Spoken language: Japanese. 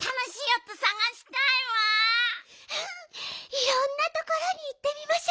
いろんなところにいってみましょうよ。